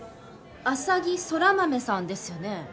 浅葱空豆さんですよね？